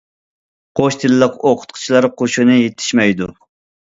قوش تىللىق ئوقۇتقۇچىلار قوشۇنى يېتىشمەيدۇ.